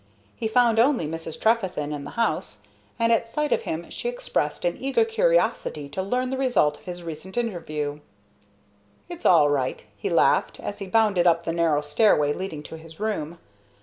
He found only Mrs. Trefethen in the house, and at sight of him she expressed an eager curiosity to learn the result of his recent interview. "It's all right," he laughed, as he bounded up the narrow stairway leading to his room.